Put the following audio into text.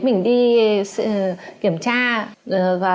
mình đi kiểm tra và